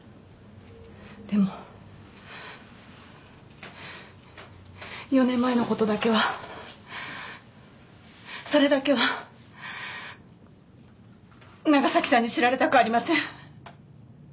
でも４年前の事だけはそれだけは長崎さんに知られたくありません！